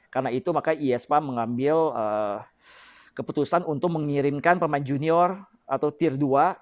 karena itu maka ispa mengambil keputusan untuk mengirimkan pemain junior atau tier dua